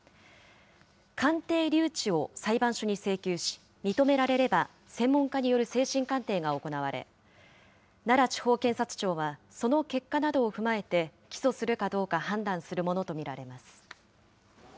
鑑定留置を裁判所に請求し、認められれば専門家による精神鑑定が行われ、奈良地方検察庁は、その結果などを踏まえて、起訴するかどうか判断するものと見られます。